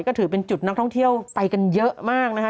ก็ถือเป็นจุดนักท่องเที่ยวไปกันเยอะมากนะคะ